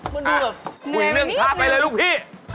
คุณนึ่งพาไปเลยลูกพี่